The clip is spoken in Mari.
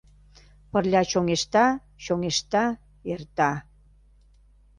Пырля чоҥешта, чоҥешта, эрта.